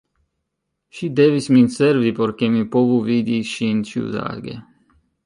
Ŝi devis min servi, por ke mi povu vidi ŝin ĉiutage.